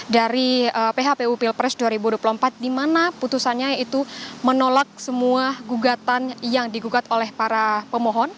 dari phpu pilpres dua ribu dua puluh empat di mana putusannya itu menolak semua gugatan yang digugat oleh para pemohon